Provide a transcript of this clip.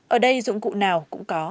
ở đây dụng cụ nào cũng có